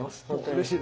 うれしい。